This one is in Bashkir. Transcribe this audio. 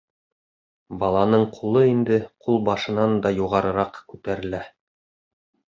Баланың ҡулы инде ҡулбашынан да юғарыраҡ күтәрелә.